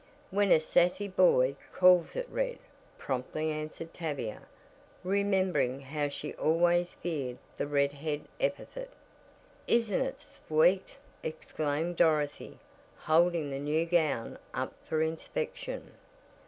"When a sassy boy calls it red," promptly answered Tavia, remembering how she always feared the "red head" epithet. "Isn't it sweet?" exclaimed Dorothy, holding the new gown up for inspection.